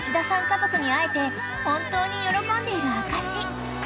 家族に会えて本当に喜んでいる証し］